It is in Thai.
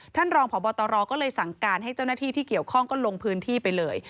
ท่านรองพบตรก็เลยสั่งการให้เจ้าหน้าที่ที่เกี่ยวข้องก็ลงพื้นที่ไปเลย